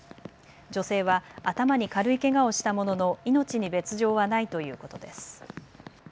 女性は頭に軽いけがをしたものの命に別状はないということです。